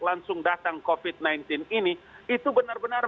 langsung datang covid sembilan belas ini itu benar benar